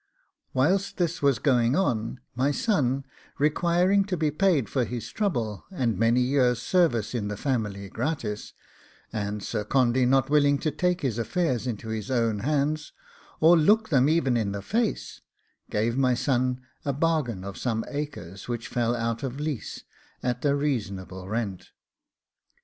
Whilst this was going on, my son requiring to be paid for his trouble and many years' service in the family gratis, and Sir Condy not willing to take his affairs into his own hands, or to look them even in the face, he gave my son a bargain of some acres which fell out of lease at a reasonable rent.